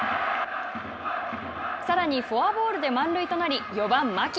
さらにフォアボールで満塁となり４番牧。